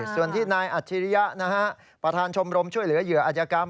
ส่วนที่นายอัจฉริยะประธานชมรมช่วยเหลือเหยื่ออัธยกรรม